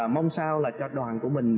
mong sao là cho đoàn của mình